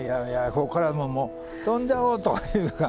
ここからもう飛んじゃおう！というか。